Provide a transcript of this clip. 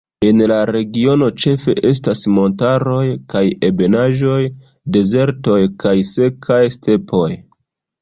En la regiono ĉefe estas montaroj kaj ebenaĵoj, dezertoj kaj sekaj stepoj.